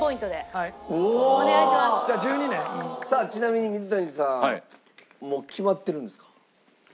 さあちなみに水谷さんもう決まってるんですか？